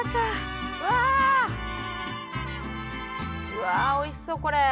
うわおいしそうこれ。